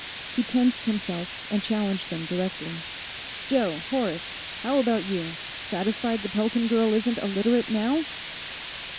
He tensed himself and challenged them directly. "Joe; Horace. How about you? Satisfied the Pelton girl isn't a Literate, now?"